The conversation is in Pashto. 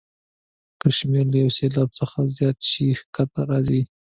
که شمېر له یو سېلاب څخه زیات شي سکته ګي راځي.